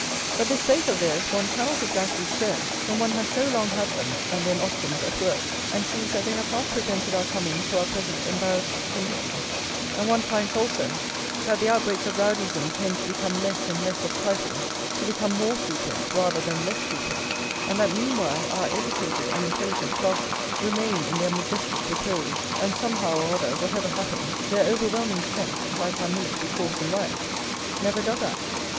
But this faith of theirs one cannot exactly share, when one has so long had them and their nostrums at work, and sees that they have not prevented our coming to our present embarrassed condition; and one finds, also, that the outbreaks of rowdyism tend to become less and less of trifles, to become more frequent rather than less frequent; and that meanwhile our educated and intelligent classes remain in their majestic repose, and somehow or other, whatever happens, their overwhelming strength, like our military force in riots, never does act.